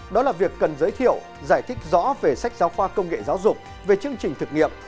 đó là việc cần giới thiệu giải thích rõ về sách giáo khoa công nghệ giáo dục về chương trình thực nghiệm